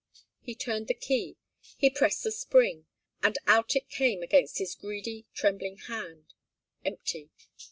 He turned the key, he pressed the spring, and out it came against his greedy, trembling hand empty.